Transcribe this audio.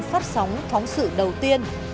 phát sóng thóng sự đầu tiên